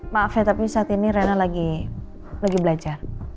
maaf ya tapi saat ini rena lagi belajar